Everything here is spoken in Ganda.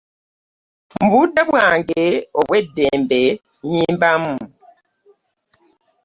Mu budde bwange obw'eddembe nnyimbamu.